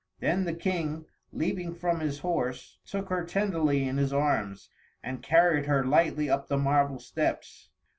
Then the King, leaping from his horse, took her tenderly in his arms and carried her lightly up the marble steps.